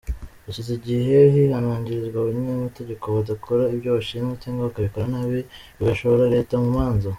Hashize igihe hihanangirizwa abanyamategeko badakora ibyo bashinzwe cyangwa bakabikora nabi bigashora leta mu manza.